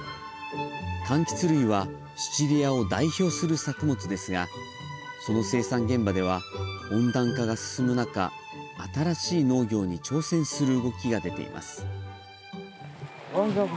かんきつ類はシチリアを代表する作物ですがその生産現場では温暖化が進むなか新しい農業に挑戦する動きが出ています。